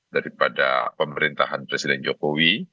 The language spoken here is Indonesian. daripada pemerintahan presiden jokowi